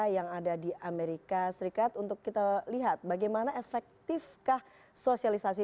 yang ada di amerika serikat untuk kita lihat bagaimana efektifkah sosialisasi